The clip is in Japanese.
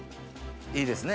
いいですね？